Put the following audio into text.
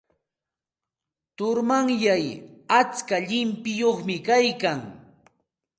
Turumanyay atska llimpiyuqmi kaykan.